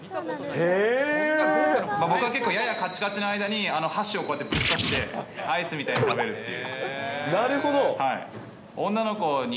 僕は結構、ややかちかちの間に、箸をこうやってぶっ刺して、アイスみたいに食べるっていう。